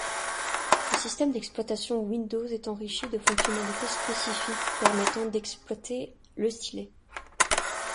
Le système d'exploitation Windows est enrichi de fonctionnalités spécifiques permettant d'exploiter le stylet.